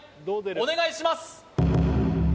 お願いします